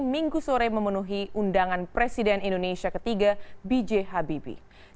minggu sore memenuhi undangan presiden indonesia ketiga bj habibie